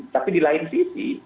tapi di lain sisi